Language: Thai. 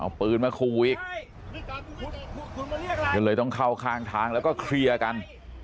เอาปืนมาขู่อีกก็เลยต้องเข้าข้างทางแล้วก็เคลียร์กัน